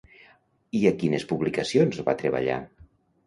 I a quines publicacions va treballar?